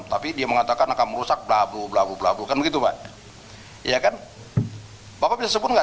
tapi dia mengatakan akan merusak blablu blablu blablu kan gitu ya kan bapak bisa sebut nggak